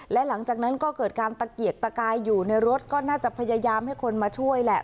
และหลังจากนั้นก็เกิดการตะเกียกตะกายอยู่ในรถก็น่าจะพยายามให้คนมาช่วยแหละ